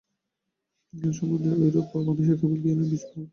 জ্ঞান সম্বন্ধেও ঐরূপ, মানুষে কেবল জ্ঞানের বীজ-ভাব আছে।